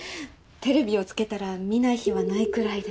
テレビをつけたら見ない日はないくらいで。